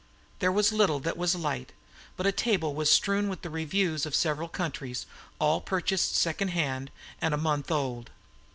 There was little that was light, but a table was strewn with the reviews of several countries, all purchased second hand and when a month old.